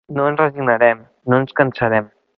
No ens resignarem, no ens cansarem.